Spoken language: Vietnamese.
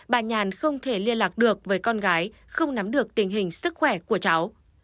bà nhàn không thể liên lạc được với con gái không nắm được tình hình sức khỏe của cháu